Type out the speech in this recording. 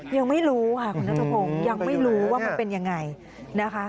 ยังไม่รู้ค่ะคุณนัทพงศ์ยังไม่รู้ว่ามันเป็นยังไงนะคะ